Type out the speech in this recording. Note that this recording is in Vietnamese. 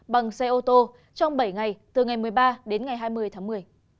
bằng xe ô tô trong bảy ngày từ ngày một mươi ba đến ngày hai mươi tháng một mươi